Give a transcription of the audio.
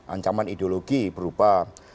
ancaman ideologi berupa